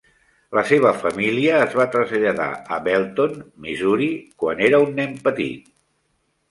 La seva família es va traslladar a Belton (Missouri), quan era un nen petit.